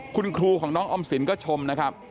คุณครูของน้องออมสินก็ชมนะครับ